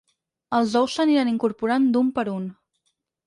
Els ous s’aniran incorporant d’un per un.